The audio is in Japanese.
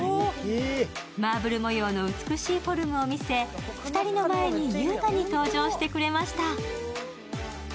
マーブル模様の美しいフォルムを見せ２人の前に優雅に登場してくれました。